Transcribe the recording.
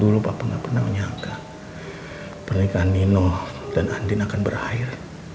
dulu bapak nggak pernah menyangka pernikahan nino dan andin akan berakhir